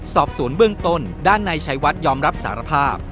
สอบสวนเบื้องต้นด้านในชัยวัดยอมรับสารภาพ